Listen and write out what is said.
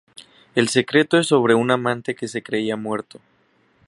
El secreto es sobre un amante que se creía muerto.